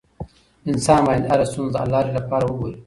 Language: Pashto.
انسان باید هره ستونزه د حل لارې لپاره وګوري.